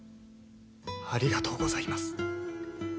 ありがとうございます。